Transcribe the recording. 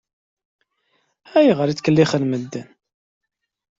Ayɣer i ttkellixen medden?